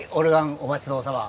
お待ち遠さま！